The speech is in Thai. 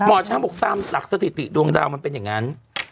หมอช้างบอกตามหลักสถิติดวงดาวมันเป็นอย่างนั้น